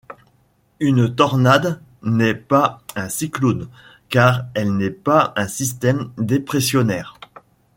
Une tornade n'est pas un cyclone car elle n'est pas un système dépressionnaire.